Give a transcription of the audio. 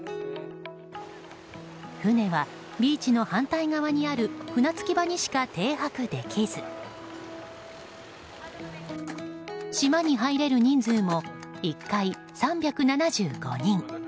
船はビーチの反対側にある船着き場にしか停泊できず島には入れる人数も１回３７５人。